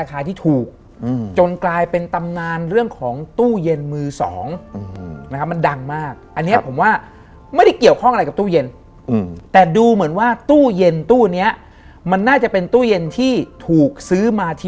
ซึ่งเขาเนี่ยไม่พอใจมาก